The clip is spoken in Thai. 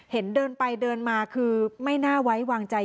เดินไปเดินมาคือไม่น่าไว้วางใจ